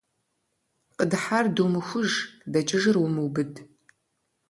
Къыдыхьэр думыхуж, дэкӀыжыр умыубыд.